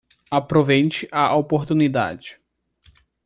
Aproveite a oportunidade